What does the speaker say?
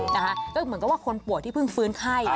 เหมือนกับว่าคนป่วยที่เพิ่งฟื้นไข้